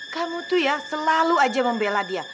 kamu tuh ya selalu aja membela dia